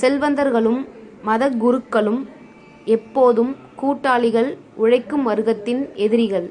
செல்வந்தர்களும் மதக் குருக்களும் எப்போதும் கூட்டாளிகள் உழைக்கும் வர்க்கத்தின் எதிரிகள்.